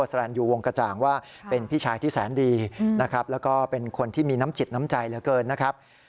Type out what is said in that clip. สรรยูวงกระจ่างว่าเป็นพี่ชายที่แสนดีนะครับแล้วก็เป็นคนที่มีน้ำจิตน้ำใจเหลือเกินนะครับ